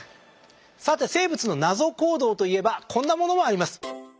さて生物の謎行動といえばこんなものもあります。